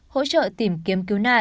hỗ trợ tìm kiếm cứu nạn